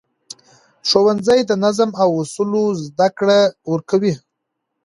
ښوونځی د نظم او اصولو زده کړه ورکوي